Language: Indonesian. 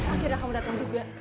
akhirnya kamu datang juga